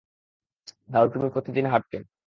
রাহুল তুমি প্রতিদিন হারতে।